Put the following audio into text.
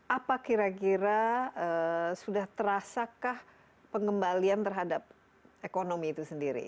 apa kira kira sudah terasakah pengembalian terhadap ekonomi itu sendiri